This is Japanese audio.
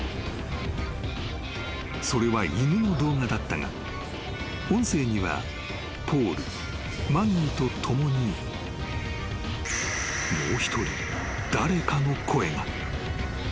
［それは犬の動画だったが音声にはポールマギーと共にもう一人誰かの声が］